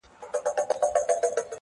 o اوس خو پوره تر دوو بـجــو ويــښ يـــم.